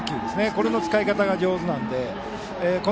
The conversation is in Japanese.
それの使い方が上手なので。